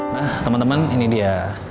nah teman teman ini dia